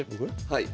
はい。